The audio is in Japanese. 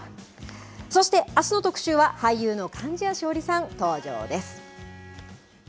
そして、あすの特集は俳優の貫地谷しほりさん、登場です。